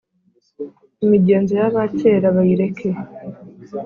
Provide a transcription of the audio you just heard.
imigenzo y’abakera bayireke